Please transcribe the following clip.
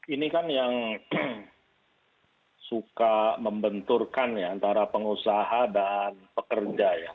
ini kan yang suka membenturkan ya antara pengusaha dan pekerja ya